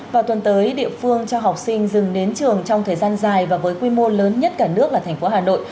vào tuần tới địa phương cho học sinh dừng đến trường trong thời gian dài và với quy mô lớn nhất cả nước là thành phố hà nội